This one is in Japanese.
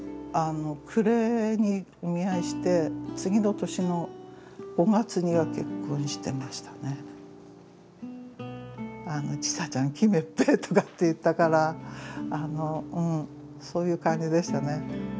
暮れに見合いして次の年の５月には結婚してましたね。とかって言ったからそういう感じでしたね。